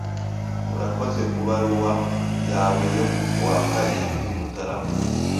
Urakoze kubaruwa yawe yo kuwa karindwi Mutarama.